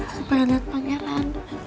supaya lihat pangeran